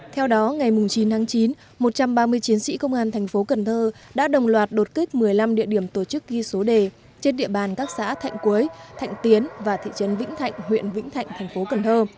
theo đó ngày chín chín một trăm ba mươi chiến sĩ công an tp cn đã đồng loạt đột kết một mươi năm địa điểm tổ chức ghi số đề trên địa bàn các xã thạnh quế thạnh tiến và thị trấn vĩnh thạnh huyện vĩnh thạnh tp cn